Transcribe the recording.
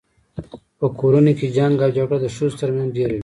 په کورونو کي جنګ او جګړه د ښځو تر منځ ډیره وي